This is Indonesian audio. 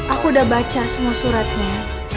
aku udah baca semua suratnya